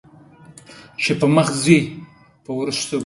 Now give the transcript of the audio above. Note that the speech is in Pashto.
چې پۀ مخ ځې په وروستو ګورې